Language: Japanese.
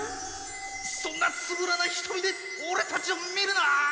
そんなつぶらなひとみでオレたちを見るな！